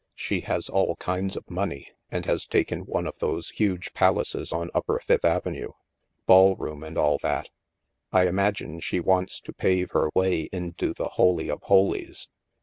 She has all kinds of money, and has taken one of those huge palaces on upper Fifth Avenue — ballroom, and all that. I imagine she wants to pave her way into the Holy of Holies.